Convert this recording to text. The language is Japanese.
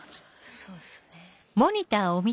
そうっすね。